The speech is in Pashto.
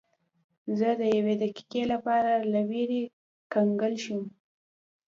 زه د یوې دقیقې لپاره له ویرې کنګل شوم.